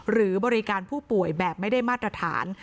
หรือบริการผู้ป่วยแบบไม่ได้มาตรฐาน